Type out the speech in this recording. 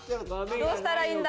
どうしたらいいんだ？